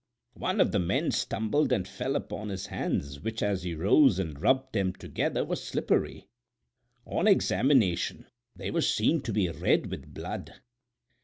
One of the men stumbled and fell upon his hands, which as he rose and rubbed them together were slippery. On examination they were seen to be red with blood.